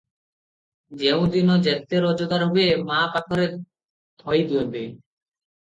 ଯେଉଁଦିନ ଯେତେ ରୋଜଗାର ହୁଏ, ମା ପାଖରେ ଥୋଇ ଦିଅନ୍ତି ।